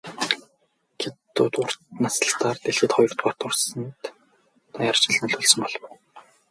Хятадууд урт наслалтаар дэлхийд хоёрдугаарт орсонд даяаршил нөлөөлсөн болов уу?